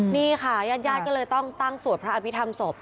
นี่ค่ะญาติญาติก็เลยต้องตั้งสวดพระอภิษฐรรมศพ